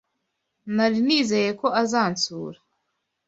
Nari nizeye ko azansura.